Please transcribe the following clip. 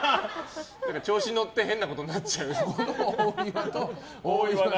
調子に乗って変なことになっちゃう。